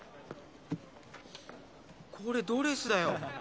これドレスだよ！